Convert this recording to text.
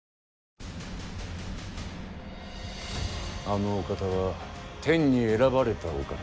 あのお方は天に選ばれたお方。